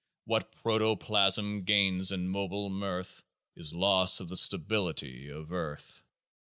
What protoplasm gains in mobile mirth Is loss of the stability of earth.